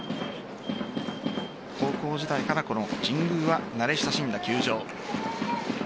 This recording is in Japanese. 高校時代からこの神宮は慣れ親しんだ球場。